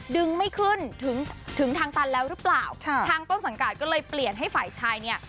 ดึงไม่ขึ้นถึงถึงทางตันแล้วหรือเปล่าค่ะทางต้นสังกัดก็เลยเปลี่ยนให้ฝ่ายชายเนี่ย